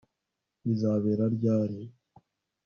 bizabera ryari